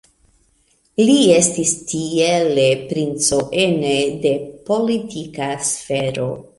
Li estis tiele princo ene de politika sfero.